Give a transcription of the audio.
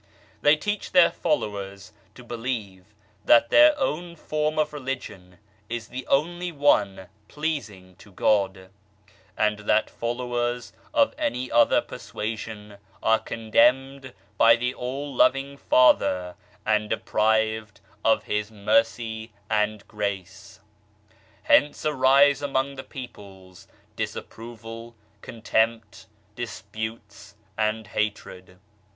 They teach their followers to believe that their own form of Religion is the only one pleasing to God, and that followers of any other persua sion are condemned by the All Loving Father and deprived of His Mercy and Grace. Hence arise among the peoples, disapproval, contempt, disputes and hatred.